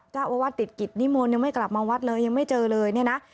เจ้าอาวาสติดกิจนิมนต์ยังไม่กลับมาวัดเลยยังไม่เจอเลยเนี่ยนะ